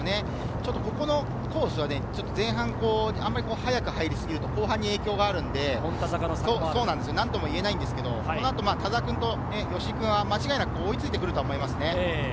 ちょっと、ここのコースは前半、あまり早く入りすぎると後半に影響が出るので何とも言えないんですけど、この後、田澤君と吉居君は間違いなく追いついてくると思いますね。